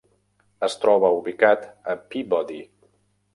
Es troba ubicat a Peabody.